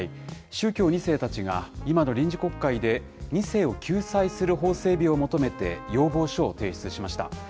宗教２世たちが、今の臨時国会で、２世を救済する法整備を求めて、要望書を提出しました。